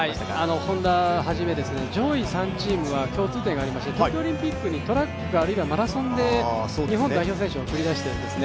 Ｈｏｎｄａをはじめ上位３チームは共通点がありまして東京オリンピックにトラックかあるいはマラソンで日本代表選手を送り出しているんですね。